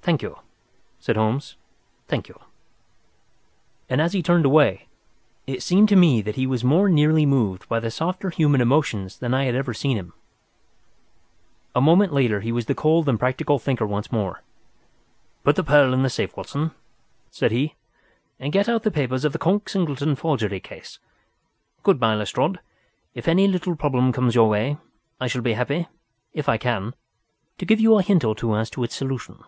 "Thank you!" said Holmes. "Thank you!" and as he turned away, it seemed to me that he was more nearly moved by the softer human emotions than I had ever seen him. A moment later he was the cold and practical thinker once more. "Put the pearl in the safe, Watson," said he, "and get out the papers of the Conk Singleton forgery case. Good bye, Lestrade. If any little problem comes your way, I shall be happy, if I can, to give you a hint or two as to its solution."